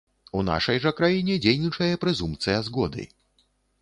У нашай жа краіне дзейнічае прэзумпцыя згоды.